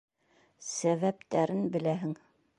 Сәбәптәрен беләһең.